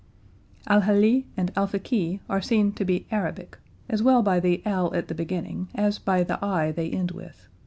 Alheli and alfaqui are seen to be Arabic, as well by the al at the beginning as by the i they end with.